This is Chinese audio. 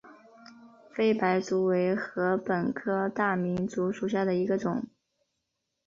菲白竹为禾本科大明竹属下的一个种。